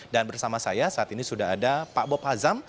dan bersama saya saat ini sudah ada pak bob hazam